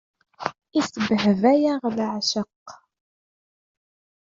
Isbehba-yaɣ leεceq.